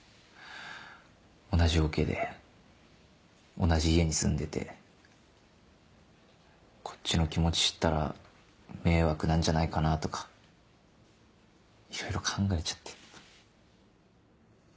同じオケで同じ家に住んでてこっちの気持ち知ったら迷惑なんじゃないかなとかいろいろ考えちゃって。